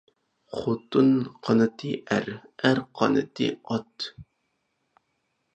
خوتۇن قانىتى ئەر، ئەر قانىتى ئات.